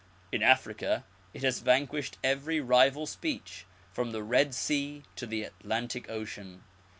In Africa it has vanquished every rival speech, from the Red Sea to the Atlantic Ocean.